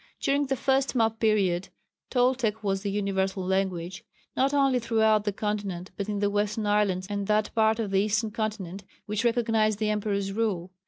During the first map period Toltec was the universal language, not only throughout the continent but in the western islands and that part of the eastern continent which recognized the emperor's rule.